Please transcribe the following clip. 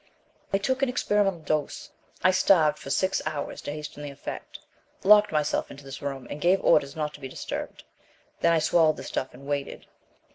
"I took an experimental dose. I starved for six hours to hasten the effect, locked myself into this room, and gave orders not to be disturbed. Then I swallowed the stuff and waited."